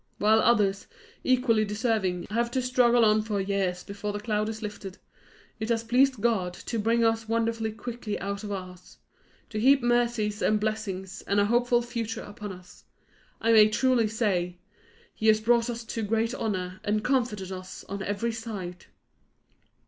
While others, equally deserving, have to struggle on for years before the cloud is lifted, it has pleased God to bring us wonderfully quickly out of ours; to heap mercies and blessings, and a hopeful future upon us. I may truly say, 'He has brought us to great honour, and comforted us on every side.